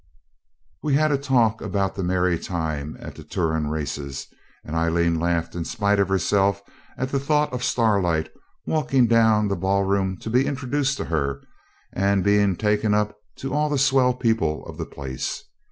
We had a talk about the merry time at the Turon races, and Aileen laughed in spite of herself at the thought of Starlight walking down the ballroom to be introduced to her, and being taken up to all the swell people of the place.